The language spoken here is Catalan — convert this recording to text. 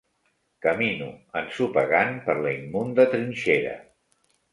Camino, ensopegant, per la immunda trinxera